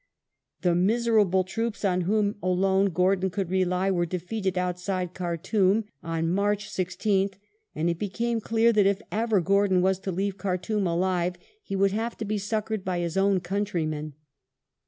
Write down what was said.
The miserable ti'oops on whom alone Gordon could rely were defeated outside Khartoum on March 16th, and it became clear that if ever Gordon was to leave Khartoum alive he would have to be succoured by his own countrymen.